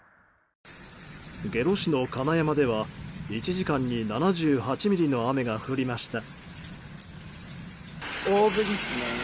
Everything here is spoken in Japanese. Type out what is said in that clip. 下呂市の金山では、１時間に７８ミリの雨が降りました。